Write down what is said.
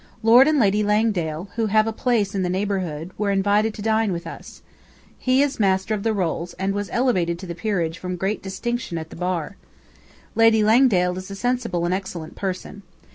Lord and Lady Langdale (who have a place in the neighborhood) were invited to dine with us. He is Master of the Rolls and was elevated to the peerage from great distinction at the bar. Lady Langdale is a sensible and excellent person.